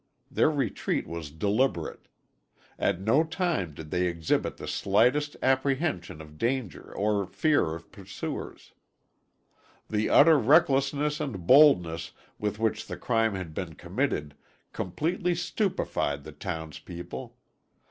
Their retreat was deliberate. At no time did they exhibit the slightest apprehension of danger or fear of pursuers. The utter recklessness and boldness with which the crime had been committed completely stupefied the townspeople.